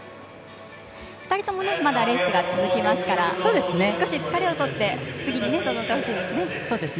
２人ともまだレースが続きますから少し疲れを取って次に臨んでほしいですね。